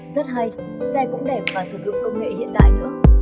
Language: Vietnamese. rất hay xe cũng đẹp và sử dụng công nghệ hiện đại nữa